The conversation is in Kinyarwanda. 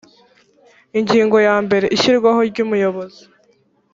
ingingo ya mbere ishyirwaho ry umuyobozi